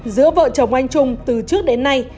giữa vợ chồng anh trung từ trước đến nay